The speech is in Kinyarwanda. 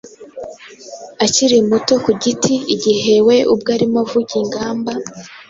akiri muto ku giti igihe we ubwe arimo avuga ingamba